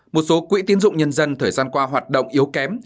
một số quỹ tiến dụng nhân dân thời gian qua hoạt động yếu kém